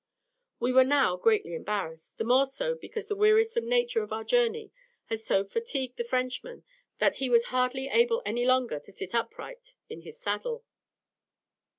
We were now greatly embarrassed; the more so, because the wearisome nature of our journey had so fatigued the Frenchman that he was hardly able any longer to sit upright in his saddle.